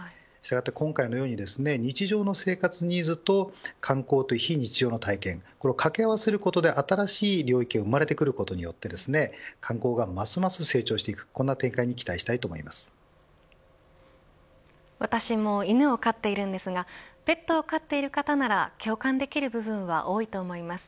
今回のように日常の生活ニーズと観光という非日常の体験を掛け合わせることで新しい領域が生まれてくることにより観光がますます成長していくという展開に私も犬を飼っているんですがペットを飼っている方なら共感できる部分は多いと思います。